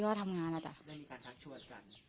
ในการทักชวับกัน